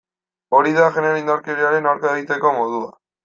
Hori da genero indarkeriaren aurka egiteko modua.